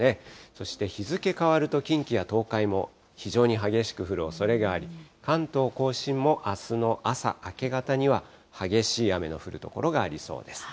そして日付変わると、近畿や東海も非常に激しく降るおそれがあり、関東甲信もあすの朝、明け方には激しい雨の降る所がありそうです。